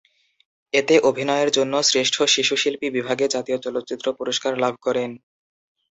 এতে অভিনয়ের জন্য শ্রেষ্ঠ শিশু শিল্পী বিভাগে জাতীয় চলচ্চিত্র পুরস্কার লাভ করেন।